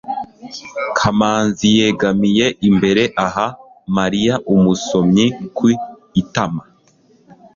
kamanzi yegamiye imbere aha mariya umusomyi ku itama